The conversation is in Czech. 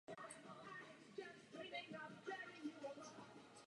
Počet nakažených rychle narůstá.